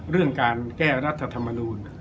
เรื่องการแก้รัฐธรรมนูล